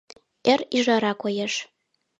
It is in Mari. Эр ӱжара коеш.